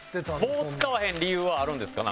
棒を使わへん理由はあるんですか？